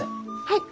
はい。